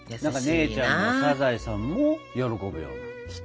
姉ちゃんもサザエさんも喜ぶような。